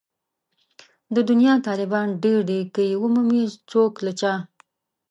د دنيا طالبان ډېر دي که يې مومي څوک له چا